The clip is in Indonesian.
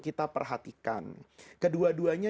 kita perhatikan kedua duanya